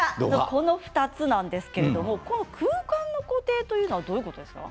この２つなんですけれども空間の固定というのはどういうことですか。